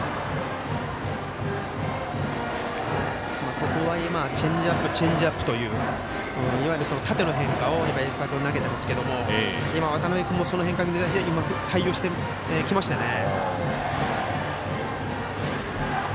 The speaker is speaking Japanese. ここはチェンジアップチェンジアップといういわゆる縦の変化を投げてますが今、渡邊君もその変化に対応してきましたよね。